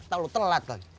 tau lu telat kan